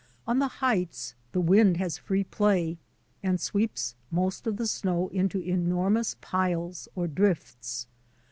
On the heights the wind has free play and sweeps most of the snow into enormous piles or drifts.